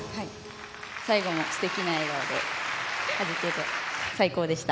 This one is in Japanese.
最後もすてきな笑顔で最高でした。